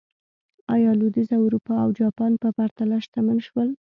ایا لوېدیځه اروپا او جاپان په پرتله شتمن شول.